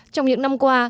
trong những năm qua